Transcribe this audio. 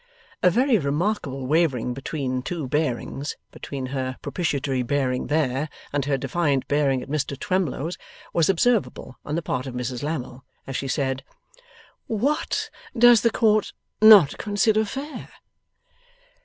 A very remarkable wavering between two bearings between her propitiatory bearing there, and her defiant bearing at Mr Twemlow's was observable on the part of Mrs Lammle as she said: 'What does the Court not consider fair?